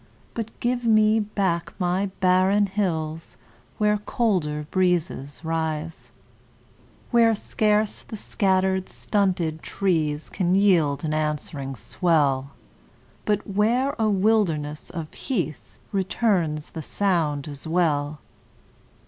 But give me back my barren hills Where colder breezes rise; Where scarce the scattered, stunted trees Can yield an answering swell, But where a wilderness of heath Returns the sound as well.